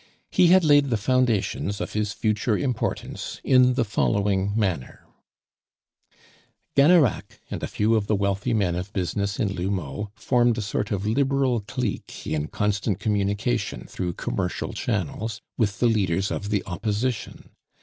He had laid the foundations of his future importance in the following manner: Gannerac and a few of the wealthy men of business in L'Houmeau formed a sort of Liberal clique in constant communication (through commercial channels) with the leaders of the Opposition.